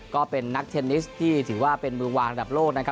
ก็เป็นนักเทนนิสที่ถือว่าเป็นมือวางระดับโลกนะครับ